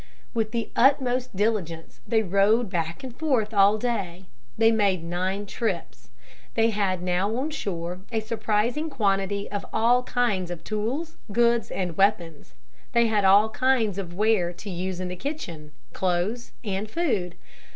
With the utmost diligence they rowed back and forth all day. They made nine trips. They had now on shore a surprising quantity of all kinds of tools, goods and weapons. They had all kinds of ware to use in the kitchen, clothes, and food.